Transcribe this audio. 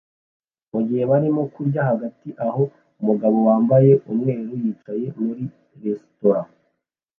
mugihe barimo kurya hagati aho umugabo wambaye umweru yicaye muri resitora